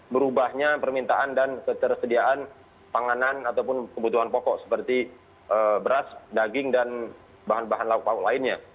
berubahnya permintaan dan ketersediaan panganan ataupun kebutuhan pokok seperti beras daging dan bahan bahan lauk lauk lainnya